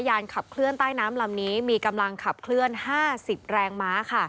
ขับเคลื่อนใต้น้ำลำนี้มีกำลังขับเคลื่อน๕๐แรงม้าค่ะ